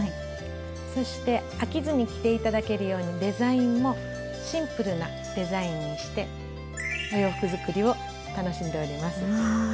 そして飽きずに着て頂けるようにデザインもシンプルなデザインにしてお洋服作りを楽しんでおります。